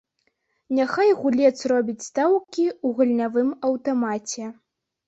Няхай гулец робіць стаўкі ў гульнявым аўтамаце.